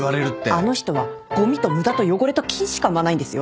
あの人はごみと無駄と汚れと菌しか生まないんですよ。